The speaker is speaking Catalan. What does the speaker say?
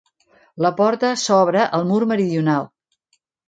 La porta s'obre al mur meridional.